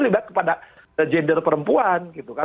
libat kepada gender perempuan gitu kan